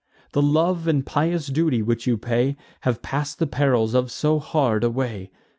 The love and pious duty which you pay Have pass'd the perils of so hard a way.